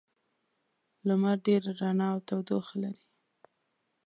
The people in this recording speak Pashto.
لمر ډېره رڼا او تودوخه لري.